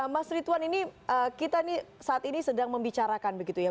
mas rituan ini kita saat ini sedang membicarakan begitu ya